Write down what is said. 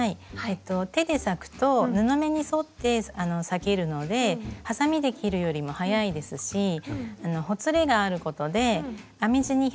えっと手で裂くと布目に沿って裂けるのではさみで切るよりも早いですしほつれがあることで編み地に表情が出ます。